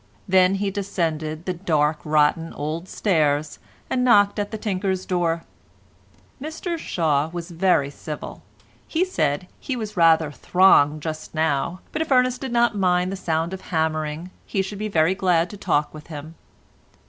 Then he descended the dark rotten old stairs and knocked at the tinker's door. Mr Shaw was very civil; he said he was rather throng just now, but if Ernest did not mind the sound of hammering he should be very glad of a talk with him.